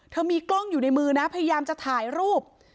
มีกล้องอยู่ในมือนะพยายามจะถ่ายรูป